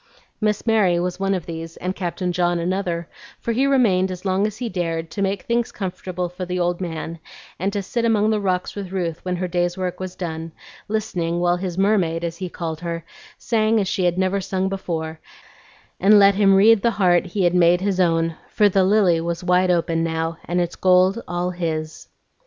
Miss Mary was one of these, and Captain John another; for he remained as long as he dared, to make things comfortable for the old man, and to sit among the rocks with Ruth when her day's work was done, listening while his "Mermaid," as he called her, sang as she had never sung before, and let him read the heart he had made his own, for the lily was wide open now, and its gold all his.